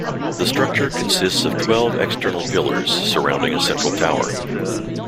The structure consists of twelve external pillars surrounding a central tower.